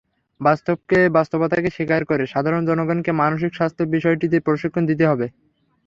বাস্তবতাকে স্বীকার করে সাধারণ জনগণকে মানসিক স্বাস্থ্য বিষয়টিতে প্রশিক্ষণ দিতে হবে।